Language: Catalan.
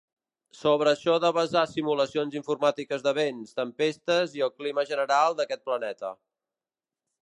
Sobre això va basar simulacions informàtiques de vents, tempestes i el clima general d'aquest planeta.